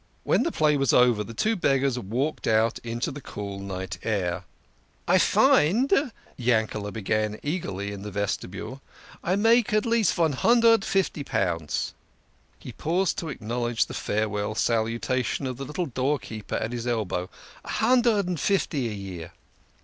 When the play was over the two beggars walked out into the cool night air. "I find," Yanked began eagerly in the vestibule, "I make at least von hundred and fifty pounds" he paused to acknowledge the farewell salutation of the little door keeper at his elbow "a hundred and fifty a year."